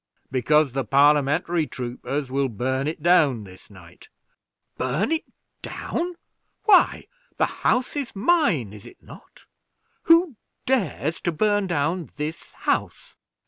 "Because the Parliamentary troopers will burn it down this night." "Burn it down! Why, the house is mine, is it not? Who dares to burn down this house?"